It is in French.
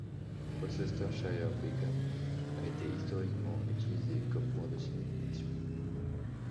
Worcestershire Beacon a été historiquement utilisé comme point de signalisation.